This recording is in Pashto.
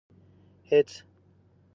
هېڅ.